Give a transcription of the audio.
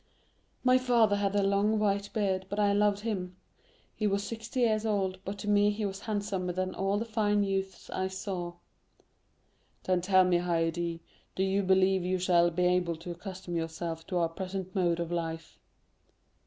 "My father had a long white beard, but I loved him; he was sixty years old, but to me he was handsomer than all the fine youths I saw." "Then tell me, Haydée, do you believe you shall be able to accustom yourself to our present mode of life?"